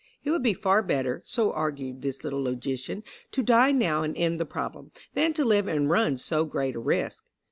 It would be far better, so argued this little logician, to die now and end the problem, than to live and run so great a risk.